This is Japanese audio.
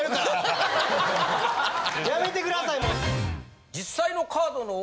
やめてくださいもう。